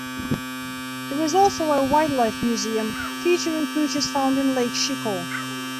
There is also a wildlife museum, featuring creatures found in Lake Chicot.